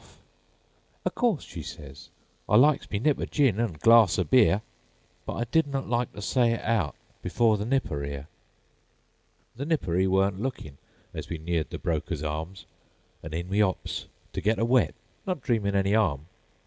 'O' course,' she sez, 'I likes me nipO' gin an' glarss o' beer, But did not like ter say it outBefore the nipper 'ere.'"The nipper 'e war n't lookin'As we neared the Brokers' Arms; An' in we 'ops ter get a wet, Not dreamin' any 'arm.